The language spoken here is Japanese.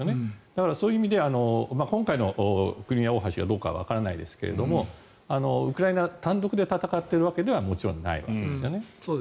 だからそういう意味で今回のクリミア大橋がどうかはわからないですがウクライナ単独で戦っているわけではもちろんないですよね。